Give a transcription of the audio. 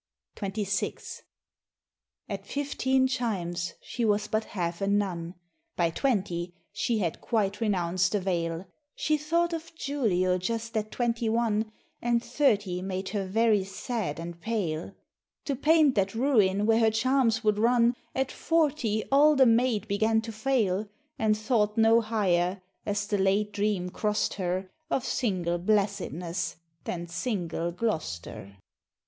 XXVI. At fifteen chimes she was but half a nun, By twenty she had quite renounced the veil; She thought of Julio just at twenty one, And thirty made her very sad and pale, To paint that ruin where her charms would run; At forty all the maid began to fail, And thought no higher, as the late dream cross'd her, Of single blessedness, than single Gloster.